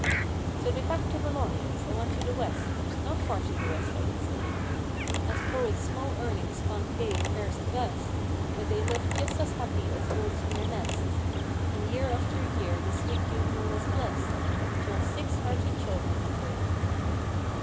So, they packed their belongings and went to the West; Not far to the west I would say. As poet's small earnings can't pay fares the best; But they lived just as happy as birds in their nests. And year after year this sweet union was blest— Until six hearty children had they.